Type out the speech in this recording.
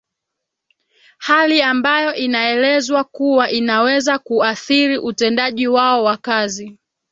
hali ambayo inaelezwa kuwa inaweza kuathiri utendaji wao wa kazi